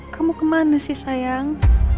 kamu kemana sih sayang